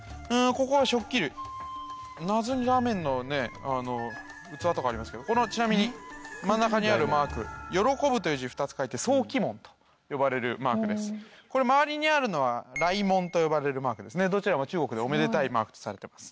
ここは食器類謎にラーメンのね器とかありますけどこのちなみに真ん中にあるマーク「喜ぶ」という字２つ書いて双喜紋と呼ばれるマークですこれ周りにあるのは雷紋と呼ばれるマークですねどちらも中国でおめでたいマークとされてます